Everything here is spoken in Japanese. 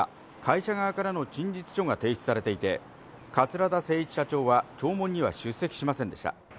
しかし昨夜、会社側からの陳述書が提出されていて、桂田精一社長は聴聞には出席しませんでした。